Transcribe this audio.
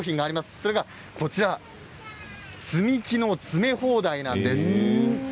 それが積み木の詰め放題です。